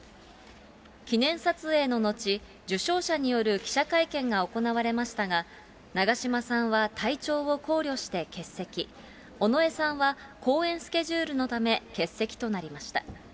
記念撮影の後、受章者による記者会見が行われましたが、長嶋さんは体調を考慮して欠席、尾上さんは公演スケジュールのため、欠席となりました。